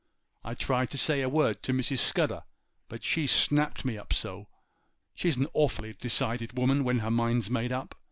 I tried to say a word to Mrs. Scudder, but she snapped me up so; she's an awful decided woman when her mind's made up.